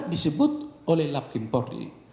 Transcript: disebut oleh laprim porri